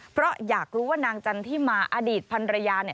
เพราะอยากรู้ว่านางจันทร์ที่มาอดีตพันรยา